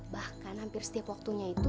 bahkan hampir setiap waktunya itu